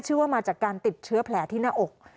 ว่ามาจากการติดเชื้อแผลที่หน้าอก